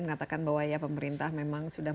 mengatakan bahwa ya pemerintah memang sudah